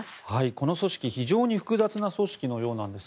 この組織、非常に複雑な組織のようなんです。